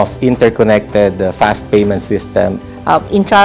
dan kami juga ingin bekerjasama untuk membuat impian untuk sistem pembayaran cepat yang berkaitan